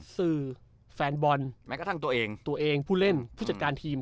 แฟนบอลแม้กระทั่งตัวเองตัวเองผู้เล่นผู้จัดการทีม